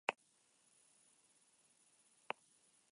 Su labor es admirable por copiosa y sensata.